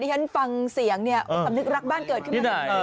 ฉันฟังเสียงเนี่ยสำนึกรักบ้านเกิดขึ้นมาเสมอ